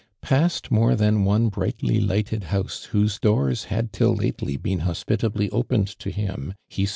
Past more than one brightly lighted house whose doors had till lately been hos])itably opened to him, he strode, ARMAND DUBAND.